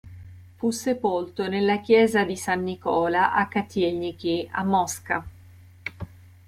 Fu sepolto nella Chiesa di San Nicola a Kotel'niki, a Mosca.